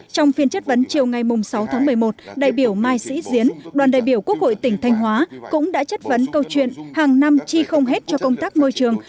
trong phiên chất vấn chiều ngày sáu tháng một mươi một đại biểu mai sĩ diến đoàn đại biểu quốc hội tỉnh thanh hóa cũng đã chất vấn câu chuyện hàng năm chi không hết cho công tác môi trường